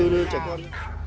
và sự thuyết phục của cô gái